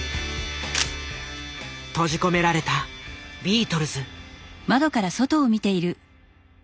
閉じ込められたビートルズ。